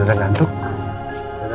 karena renya sudah bagus aja